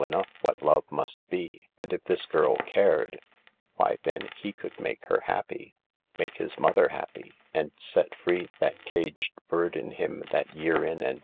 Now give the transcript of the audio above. enough what love must be ; and if this girl cared . X hen he could make her happy, make his mother luppy and set free that caged bird in him that year in and